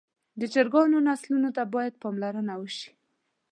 د چرګانو نسلونو ته باید پاملرنه وشي.